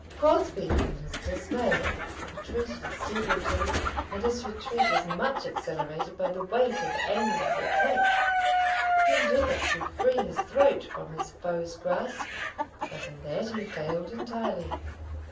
Crosbie, in his dismay, retreated a step or two, and his retreat was much accelerated by the weight of Eames's attack. He endeavoured to free his throat from his foe's grasp; but in that he failed entirely.